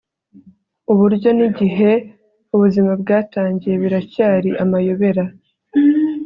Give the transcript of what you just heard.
Uburyo nigihe ubuzima bwatangiye biracyari amayobera